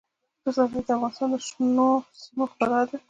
پسرلی د افغانستان د شنو سیمو ښکلا ده.